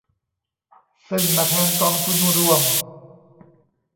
ซึ่งมาแทนกองทุนรวม